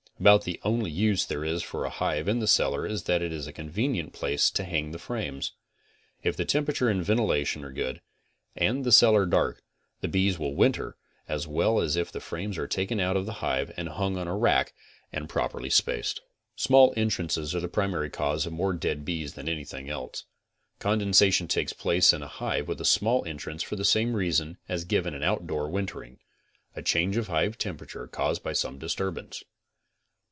About the only use there is for a hive in the cellar is that it is a convenient place to hang the frames. If the temperature and ventilation are good, and the cellar dark, the bees will wniter as well if the frames are taken out of the hive and hung on a rack, and prop erly spaced. CONSTRUCTIVE BEEKEEPING 43 Small entrances are the primary cause of more dead bees than anything else. Condensation takes place in a hive with a small entrance for the same reason as given in outdoor winter ing; a change of hive temperature caused by some disturbance.